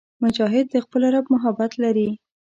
مجاهد د خپل رب محبت لري.